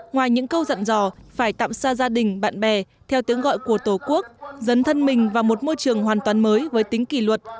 ngoài những câu dặn dò phải tạm xa gia đình bạn bè theo tiếng gọi của tổ quốc dấn thân mình vào một môi trường hoàn toàn mới với tính kỷ luật